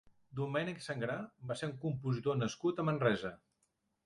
Domènec Sangrà va ser un compositor nascut a Manresa.